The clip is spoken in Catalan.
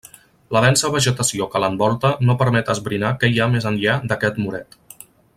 La densa vegetació que l'envolta no permet esbrinar què hi ha més enllà d'aquest muret.